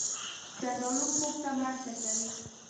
زردالو خوب ته مرسته کوي.